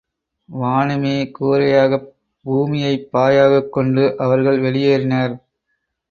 வானமே கூரையாகப் பூமியைப் பாயாகக் கொண்டு, அவர்கள் வெளியேறினர்.